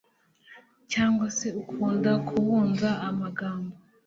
cyangwa se ukunda kubunza amagambo.